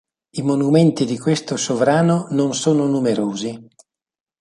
I monumenti di questo sovrano non sono numerosi.